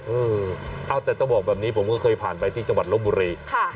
เออเอาแต่ต้องบอกแบบนี้ผมก็เคยผ่านไปที่จังหวัดลบบุรี